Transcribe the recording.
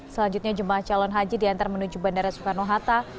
selanjutnya jemaah calon haji diantar menuju bandara soekarno hatta